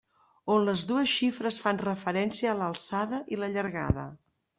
On les dues xifres fan referència a l'alçada i la llargada.